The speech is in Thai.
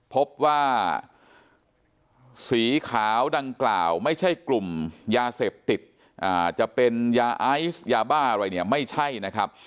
พบว่าสีขาวดังกล่าวไม่ใช่กลุ่มยาเสพติดจะเป็นยาไอซ์ยาบ้าอะไรเนี่ยไม่ใช่นะครับ